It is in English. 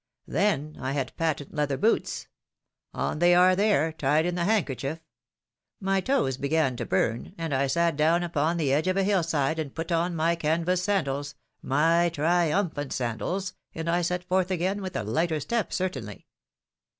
Then — I had patent leather boots ; on they are there, tied in the hand kerchief — my toes began to burn, and I sat down upon the edge of a hillside and put on my canvas sandals, my triumphant sandals, and I set forth again with a lighter step certainly.